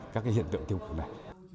các cái hiện tượng tiêu cực này